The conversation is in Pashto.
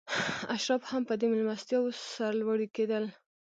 اشراف هم په دې مېلمستیاوو سرلوړي کېدل.